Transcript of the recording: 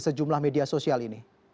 sejumlah media sosial ini